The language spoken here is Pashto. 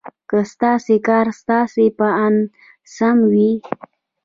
که ستاسې کار ستاسې په اند سم وي.